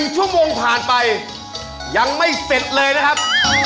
ชั่วโมงผ่านไปยังไม่เสร็จเลยนะครับ